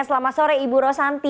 selamat sore ibu rosanti